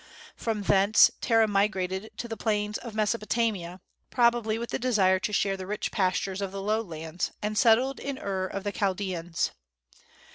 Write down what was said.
From thence Terah migrated to the plains of Mesopotamia, probably with the desire to share the rich pastures of the lowlands, and settled in Ur of the Chaldeans.